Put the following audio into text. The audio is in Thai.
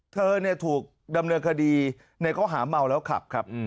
เธอถูกดำเนื้อกดีในเกาะหามัวแล้วครับครับ